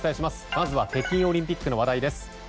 まずは北京オリンピックの話題です。